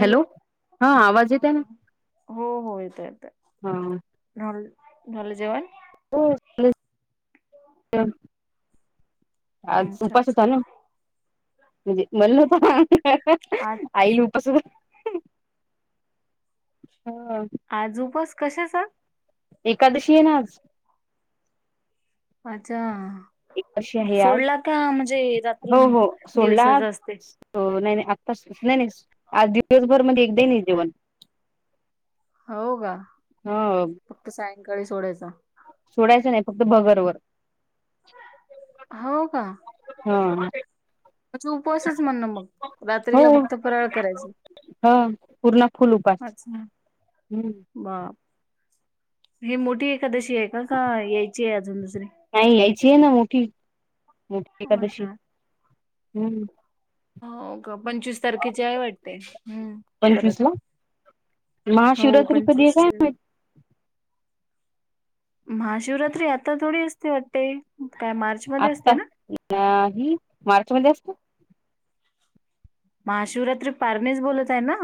Hello हा आवाज येत. हो हो येत येत हा ढ झालं जेवण. हो. [unintelligible] आज अच्छा उपास होता अच्छा ना म्हणजे मल [unintelligible] न्हवता आज आई ल उपासध हा. आज उपवास कशाचा? एकादशी ये ना आज. अच्छा एकादशी आहे आज फोडला का म्हणजे रात्री हो सोडला आज दिवसाचा असतेय. हो नाही नाही आत्ता नाही नाही आज [unintelligible] दिवसभरमध्ये एकदा नाही जेवण. हो ग. हो. फक्त सायंकाळी सोडायचा. सोडायचं नाही फक्त भगरवर. हो का. हा. म्हजे उपवासच म्हणणं मग हो रात्रीला फक्त फराळ करायच. ह पूर्ण फुल उपास वाचना हम्म. बा ही मोठी एकादशी आहे का का यायची आहे अजून दुसरी? नाही यायची आहे ना मोठी मोठी एकादशी अच्छा हम्म. हो का पंचवीस तारखेचे आहे वाटते हम्म. परत पंचवीस ला हो महाशिवरात्री कधी आहे काय पंचवीसच्या महाशिवरात्री आता थोडी असती वाटते? काय मार आत्ता अ नाही मार्च मध्ये असते. महाशिवरात्री पारणेस बोलवताय ना?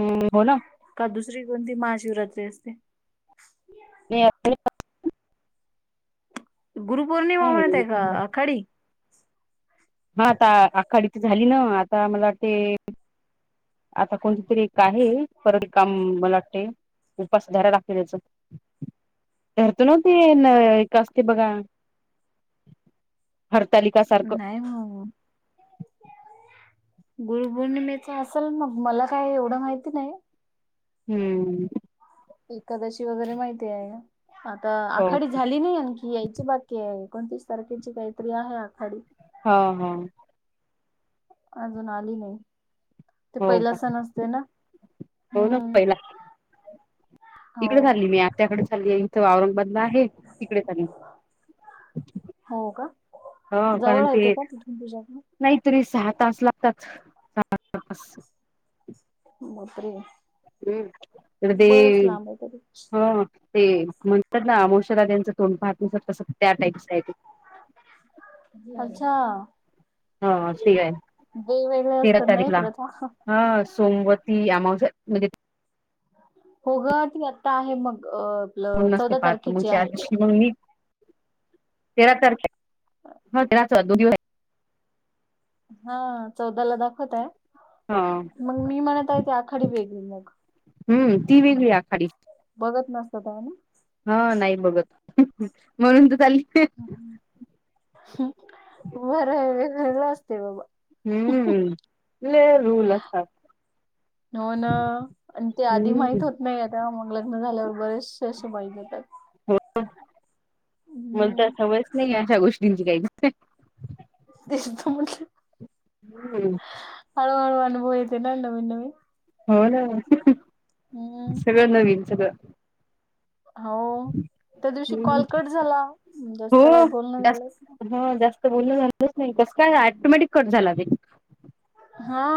[unintelligible] हम्म बोला. का दुसरी कोणती महाशिवरात्री असते? मी. [unintelligible] गुरुपौर्णिमा म्हणत आहे का काय आखाडी? हा आता आखाडी त झाली ना आता मला वाटते आता कोण तरी एक आहे परत काम मला वाटते. उपासधरा्या दखव द्यायचं. धरतो नव्हते न कासते बघा. हरतालिका सारखं. नाही मग गुरुपौर्णिमेचा असेल मग मला काय एवढं माहिती नाही. हम्म. एकादशी वगैरे माहिती आहे आता हो आखाडी झाली नाही आणखी ही यायची बाकी आहे एकोणतीस तारखेची काहीतरी आहे आखाडी. हा हा. अजून आली नाही. ते हो पहिला का सण असतय ना हो ना हम्. पहिला इकडे चालली मी आत्याकडे चालली इथं औरंगाबादला आहे तिकडे चाली. हो का? जवळ आहे का ते तिथून तुझ्यातणे? नाही तरी सहा तास लागतात सहा तास. म बापरे! हम् अदी बरच लांब आहे तरी हा. [unintelligible] ते म्हणतात ना अमावशाला त्यांचं तोंड पाहसर [unintelligible] कसं त्या टाईपच आहे ते. अच्छा. ह ते आहे ते वेगळे तेरा असत नाही तारीखला परत हा. हा सोमवती अमावसा म्हणजे होग ती आता आहे मग आपलं पूर्ण असते चौदा पाहत मग तारखेची त्या आहे. दिवशी मग मी तेरा तारखे हा तेराच वा दोन दिवस. हा चौदाला दाखवतय ह मग मी म्हणत आहे. ती आखाडी वेगळी मग. हम्म. ती वेगळी आखाडी. बघत नसतय का ना. हा नाही बघत, म्हणून तर चालली अहं. बरं आहे वेगवेगळ असते बाबा. हम्म, लय रूल असतात. हो ना, आणि ते आधी हम्म माहित होत नाहीयेत. तेव्हा मग लग्न झाल्यावर बरेचसे आसे बॉईज येतात. मग तर सवयच नाही अशा गोष्टींची काही. तेच तर म्हटलं. [unintelligible] हळूहळू अनुभव येते ना नवीन, नवीन. हो ना. हम्म. सगळं नविन सगळं. हो त्या दिवशी हम्म कॉल कट झाला जास्त काय हो बोलण जास्त झालंच नाही. हा जास्त बोलण झालंच नाही कसं काय? आटोमॅटिक कट झाला ते. हा.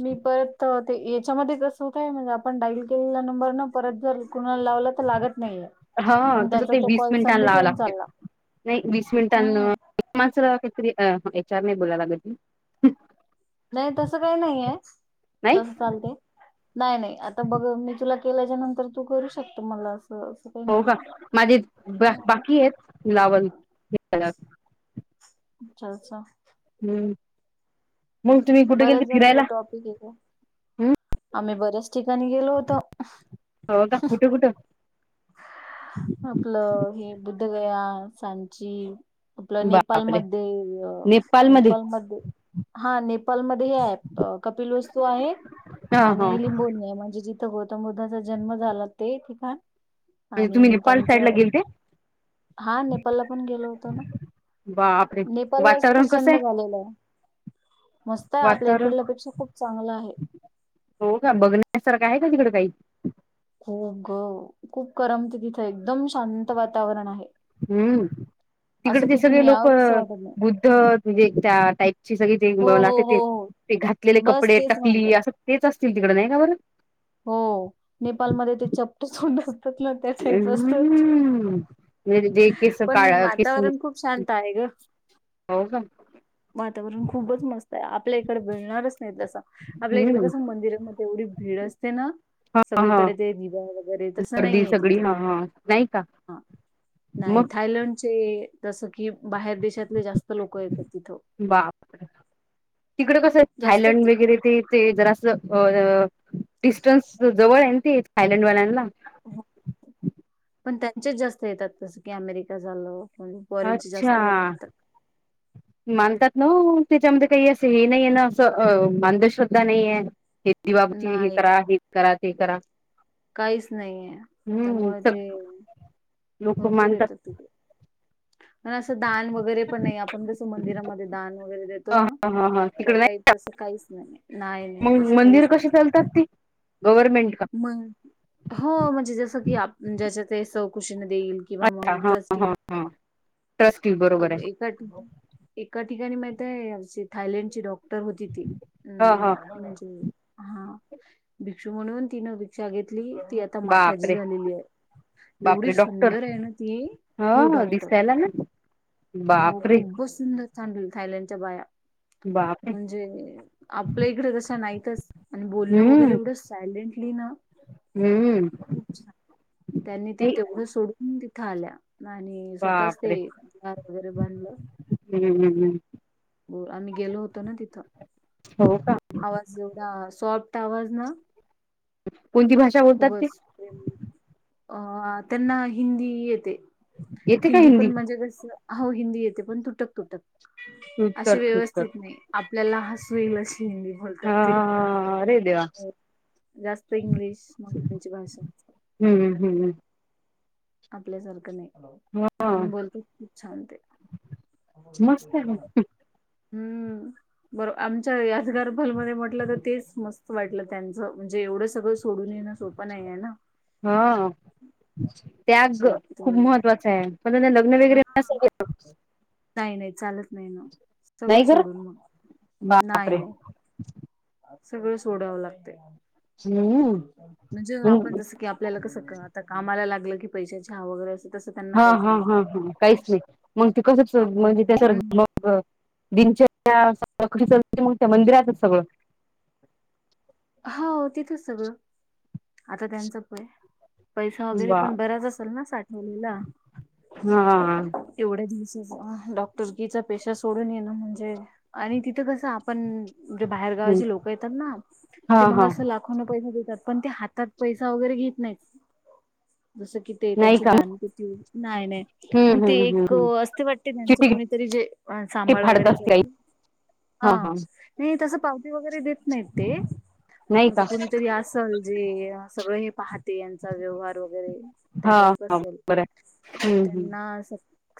मी परत ते तर याच्यामध्ये कस होतय म्हणजे, आपण डाईल केलेला नंबर न परत जर. कोणाला लावला तर लागत नाहीये हा मग, तसं त्याचा ते तो वीस कॉल मिनिटांना सबमिट लावावं होऊन लागते चालला. नाही वीस मिनटांन. हम्म मच काहीतरी एच आर नाही बोलायलाग. नाही तसं काही नाहीय नाही तस चालतय नाही नाही आता बघ मी तुला केल्याच्या नंतर तू करू शकतो मला असं असं. काही हो का नाहीये माझे हम्म बाकी आहेत लावणं [unintelligible] अच्छा. अच्छा. हम्म. मग तुम्ही कुठे गेलते फिरायला? असू दे ग. हम्म आम्ही बऱ्याच ठिकाणी गेलो होतो. हो का? कुठं? कुठं? आपलं हे बुद्धगया, सांची. आपलं बापरे नेपालमध्ये, नेपालमध्ये. हा नेपालमध्ये हे आहेत कपिल वस्तू आहेत हा हा आणि लिंबोनी आहे म्हणजे जि तिथं गौतम बुद्धाचा जन्म झाला ते ठीकाणं. म्हणजे तुम्ही नेपाल साईड ला गेलते. हा नेपालला पण गेलो होतो ना बापरे नेपाल लाच तर वातावरण कसं जन्म आहे झालेला आहे. मस्त आहे आपल्या वातावरण इकडल्यापेक्षा खूप चांगलं आहे. हो का. बघण्यासारखं आहे का तिकडे काही? हो ग खूप करमते तिथं एकदम शांत वातावरण आहे. हम्म. असं तिकड ते तिथून सगळे लोक यावं कसं वाटत नाही बुद्ध म्हणजे त्या टाईपचे सगळे जे हो हो असते ते. हो हो ते घातलेले बस कपडे तेच म्हणतात. टकली असं तेच असतील तिकड नाही का बरं? हो नेपालमध्ये ते चपट तोंड असतात ना त्या टाईप असतात. हम्म म्हणजे केस पण काळ केस, वातावरण खूप शांत आहे ग हो का? वातावरण खूपच मस्त आहे. आपल्या इकडे मीळणारच नाही तसा. आपल्या इकडे हम्म कसं मंदिरामध्ये एवढी भीड असते ना. हा हा सगळीकडे ते दिवा वगैरे तसं गर्दी नाही आहे सगळी तिथं. हा हा नाही का हा. नाही मग थायलंडचे जसं की, बाहेर देशातले जास्त लोक येतात तिथं. बापरे तिकड कसं थायलंड वगैरे ते ते जरा असं अ डिस्टन्स जवळ आहे ते थायलंड वाल्यांना. पण त्यांचेच जास्त येतात तस की अमेरिका झालं. म्हणजे फॉरेनची जास्त लोक येतात. म्हनतात न त्याच्यामध्ये काही असं हे नाहीये ना, असं अ अंधश्रद्धा नाहीये. दिवाबत्ती हे नाही करा हे करा ते करा. काहीच नाहीये. हम्म त्यामुळे सग ते लोक भरपूर मानतात येतात तिथे आणि असं दान वग वगैरे पण नाही, आपण जसं मंदिरामध्ये दान वगैरे देतो ह ना. हा हा हा तिकडे नाही ताई तसं काहीच नाही. नाही नाही तसं काहीच ते कसे नाही चालतात ते. गव्हरमेंट का? मग, हो म्हणजे जसं की आप ज्याच्या ते स्व ख़ुशीन देईल. किंवा अच्छा मग हा हा ट्रस्टी. हा ट्रस्टी बरोबर अगं आहे एक एका ठिकाणी माहितये थायलंड ची डॉक्टर होती ती. ह ह हम् म्हणजे हा भिक्षू म्हणून तिनं भिक्षा घेतली ती आ आता माताजी बापरे झालेली आहे. एवढी बापरे डॉक्टर सुंदर आहे ना ती, हो ह डॉक्टर. दिसायला ना हो बापरे खूपच सुंदर [unintelligible] थायलंडच्या बाया. बापरे म्हणजे आपल्या इकड कसं नाहीतच आणि बोलणं वगैरे हम्म एवढं सायलेंटली ना हम्म. खूप छान. त्यांनी ते नाही, तेवढं सोडून तिथे आल्या आणि स्वतःच ते घर वगैरे बांधलं. हम्म. हो आम्ही गेलो होतो ना तिथं. हो का आवाज एवढा सॉफ्ट आवाज ना कोणती भाषा? बोलतात ते खूपच प्रेम, अं त्यांना हिंदी येते. येते का हिंदी पण म्हणजे कसं, हो हिंदी येते पण तुटक तुटक. उत्तर अशी उत्तर व्यवस्थित नाही. आपल्याला हसू येईल अशी हिंदी बोलतात हा ते. अरे देवा हो जास्त इंग्लिश मग त्यांची भाषाच हम्म हम्म. आपल्यासारखं नाही. हा पण बोलतेत खूप छान ते. मस्त आहे हम्म. बर आमच्या याजगार पलमध्ये म्हटलं तर तेच मस् वाटलं त्यांचं म्हणजे एवढं सगळं सोडून येणं सोपं नाहीये ना. हो त्याग त्यात खूप महत्वाचं आहे, पण ते हा. नाही नाही चालत नाही ना. सगळं नाही कर सोडून मग, नाही बापरे नाही. सगळं सोडावं लागते. हम्म म्हणजे आपण जसं की आपल्याला कसं आता कामाला लागलं की पैशाची हाव वगैरे असं तसं त्यांना हा काहीच हा हा नसते. हा. काहीच नाही मग ते कस आपण म्हणजे त्याच्या हम्म, मग. दिनचर्या सकाळची मग त्या मंदिरातच सगळं. हाव तिथंच सगळं. आता त्यांचा प-पैसा वगैरे वा पण बराच असेल ना साठवलेला. हा. एवढ्या दिवसाचा डॉक्टरकीचा पेशा सोडून येणं म्हणजे आणि तिथं कसं आपण जे बाहेर गावाचे लोक येतात ना. हा ते मग हा असं लाखोना पैसा देतात पण ते हातात पैसा वगैरे घेत नाहीत जसं की. ते नाही त्यांची का दान पेटी, नाही नाही. मग हम्म ते हम्म हम्म एक हम्म असते वाटते त्यांचं चिटी कुणीतरी जे अ ते सांभाळ फाडत वगैरे असते आई करते. हा नाही तसं पावती वगैरे देत नाहीत ते. नाही का म्हणजे कुणीतरी असल जे सगळं हे पाहते यांचा व्यव्हार वगैरे. त्या हा टाईप असेल बरं हम्म हम्म त्यांना स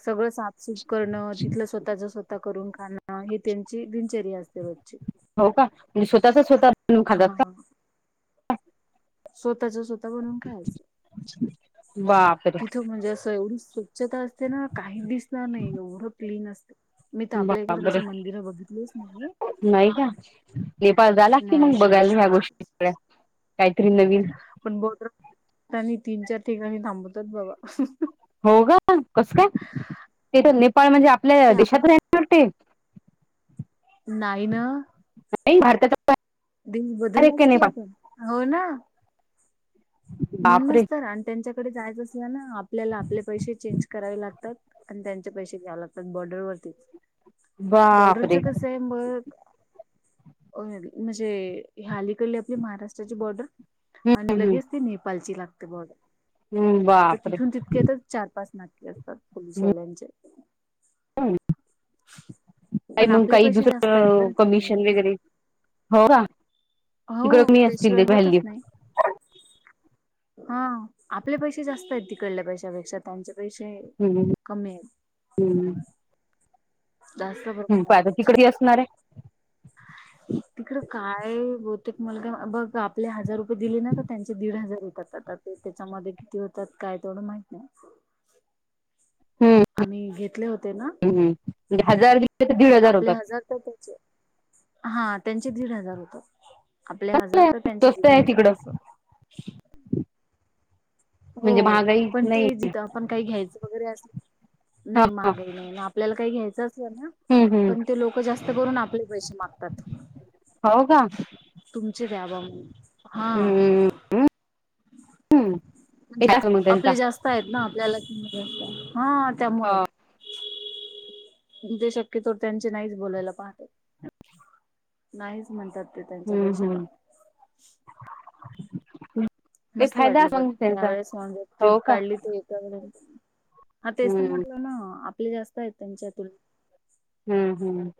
सगळं सा- सुप करणं तिथलं स्वतःचा स्वतः करून खाणं हे त्यांची दिनचर्या असते रोच्ची हो का म्हणजे स्वतःचा स्वतः. बनवून खातात हा. का स्वतःच्या स्वतः बनून खायचे बापरे तिथ- तू म्हणजे असं एवढी स्वच्छता असते ना काही दिसणार नाही एवढं क्लीन असते. मी तर आपल्या इकडें तशी बापरे मंदिरं बघितलीच नाही. नाही का नेपाळ झाला कि नाही मग एवढी बघायला ह्या स्वच्छ गोष्टी काहीतरी नवीन. पण बोट तीन चार ठिकाणी थांबवतात बाबा हं हं. हो का कस काय ते तर नेपाळ म्हणजे आपल्या ते आपण देशात राणार ते. नाही ना भारताचा दीन आहे का बदललाच की नेपाळ आपण. हो ना. बापरे म्हणूनच तर आणि त्यांच्याकडे जायचं असल्या ना आपल्याला आपले पैशे चेंज करावे लागतात. आणि त्यांचे पैसे घ्या लागतात बॉर्डरवरती. बापरे बॉर्डरचं कसं आहे बघ. म्हणजे अलीकडली आपली महाराष्ट्राची बॉर्डर हम्म आणि हम्म लगेच ते नेपाळची लागते बॉर्डर हम्म तर बापरे तिथून तितके तर चार पाच नाके असतात. फोलसवालाचे. ह का पण मग आपले काही पैसे जास्त आहेत दुसरं बरं कमिशन तिकडले वगैरे. हो का. तिकड हो कमी असतील त्याशिवाय त्याची होतच व्हॅल्यू नाही. हा आपले पैशे जास्त आहेत तिकडल्या पैशा पेक्षा. त्यांचे पैशे कमी आहेत. हम. दास. ह पादा तिकडे असणार आहे. तिकड काय बहतेक मुलगा बघ आप- आपले हजार रुपये दिले ना तर त्यांचे दीड हजार येतात जातात. त्याच्यामध्ये किती होतात काय तेवढं माहित नाही. हम्म. आम्ही घेतले होते ना. हम हजार. तर दीड आपले होतात हजार तर त्याचे हा त्यांचे दीड हजार होत. आपले हजार तर त्यांचे स्वस्त दिड आहे हजार तिकडं असं. हो म्हणजे महागाई पण नाही ते जिथ- आपण काही घ्यायचं वगैरे अस हा नाही हा मगई नाही ना आपल्याला काही घ्यायचं असलं ना. हम्म हम्म पण ते लोक जास्त करून आपले पैसे मागतात. हो का तुमचे व्यावम हा. हं हम. म्हणजे आपले जास्त आहेत ना आपल्या लक्षत हा ह त्यामुळे. ते शक्यतो त्यांचे नाहीच बोलायला पाहत नाहीच म्हणतात. ते त्यांचा पैशाला. हम्. मस्त वाटलं पण त्यावेळेस म्ह टविप हो का काढली ते एकापर्यंत. हा तेच तर हम्म म्हटलं ना आपले जास्त आहेत त्यांच्या तुलनेत हम्म हम्म.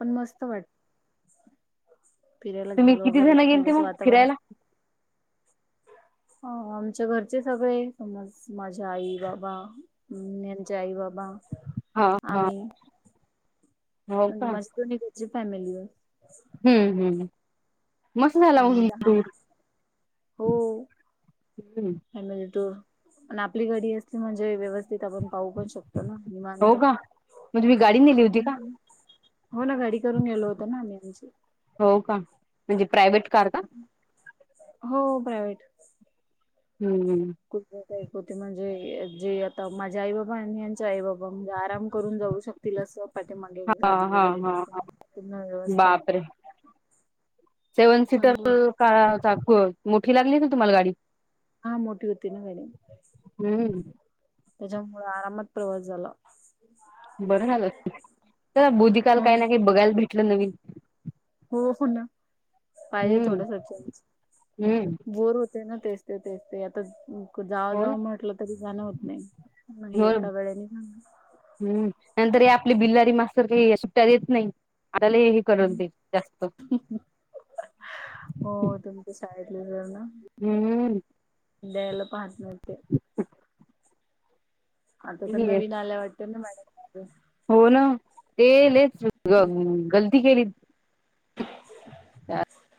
पण मस्त वाट फिरायला तुम्ही गेलो किती वगैरे जण गेलते थोडस मग वातावरण. फिरायला हा आमच्या घरचे सगळे समज माझ्या आई बाबा. हम्म यांचे आई बाबा हा हा आम्ही हो म्हणजे का मस्त. तुम्ही तिची फॅमिली आहे. हम्म. हम्म. मस्त झाला आम्ही दहा हो [unintelligible] फॅमिली टूर प आपली गाडी असली म्हणजे व्यवस्थित आपण पाहू पण शकतो. तनू निवांत. हो का? मग तुम्ही गाडी नेली होती का? हम्म हो ना गाडी करून गेलो होतं ना आम्ही आमची. हो का. म्हणजे प्रायव्हेट कार का? हो प्रायव्हेट. हम्म. हम्म. कुठ काय ऐक होते म्हणजे जे आता माझे आई बाबा आणि यांच्या आई बाबा म्हणजे आराम करून जाऊ शक तिला सपाटं मागे हा गादी हा वगैरे हा त्यास पूर्ण व्यवस्था. सेवन सीटर चांगली होती काळा चाक मोठी लागली ना तुम्हाला गाडी. हा मोठी होती ना मॅडम हम्म त्याच्यामुळे आरामात प्रवास झाला. बरं झालं. चला बुद्धिकाल काही हम्म ना काही बघायला भेटलं नवीन. हो हो ना पाहिजे हम्म थोडंसं चेंज हम्म बोर होत ते ना, तेच ते तेच ते आता. जाव हो ना जावं म्हटलं तरी जाणं होत नाही मग हो एका वेळेने हम्म. नंतर हे आपले बिल्लारी मास्तर हे सुट्टया देत नाही आपल्याला हे करून दे जास्त. हम्मं. हमं. हो तुम्ही ते सांगितलेलं ना. हंम्म. हंम्म. द्यायला पाहत नव्हते. आता तर हे- नवीन आल्याय वाटतं ना मॅडम हो ना. तेच लईच ग-गलती केली. [inaudible]